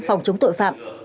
phòng chống tội phạm